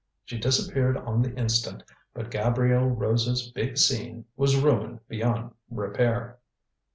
She disappeared on the instant, but Gabrielle Rose's "big scene" was ruined beyond repair.